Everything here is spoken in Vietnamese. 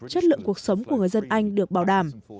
chất lượng cuộc sống của người dân anh được bảo đảm